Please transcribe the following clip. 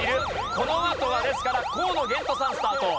このあとはですから河野玄斗さんスタート。